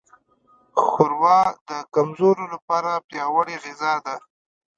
ښوروا د کمزورو لپاره پیاوړې غذا ده.